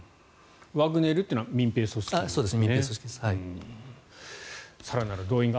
ワグネルというのは民兵組織ですよね。